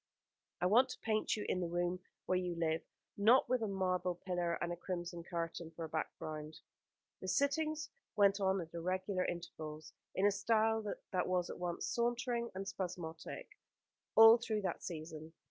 "I want to paint you in the room where you live; not with a marble pillar and a crimson curtain for a background." The sittings went on at irregular intervals, in a style that was at once sauntering and spasmodic, all through that season.